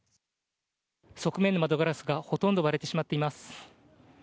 側面の窓ガラスがほとんど割れてしまっています。